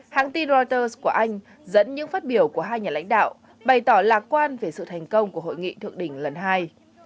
hãng tin reuters của anh dẫn những phát biểu của hai nhà lãnh đạo bày tỏ lạc quan về sự thành công của hội nghị thượng đỉnh lần hai